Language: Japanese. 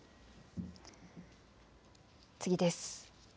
次です。